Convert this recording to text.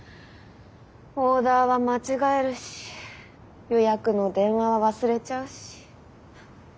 オーダーは間違えるし予約の電話は忘れちゃうし。